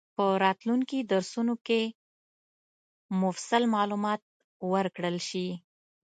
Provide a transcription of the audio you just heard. په راتلونکي درسونو کې مفصل معلومات ورکړل شي.